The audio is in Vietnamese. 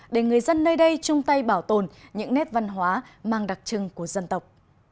để người dân nơi đây chung tay bảo tồn những nét văn hóa mang đặc trưng của dân tộc